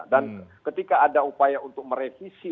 dan ketika ada upaya untuk merevisi